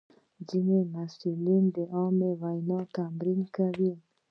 ځینې محصلین د عامه وینا تمرین کوي.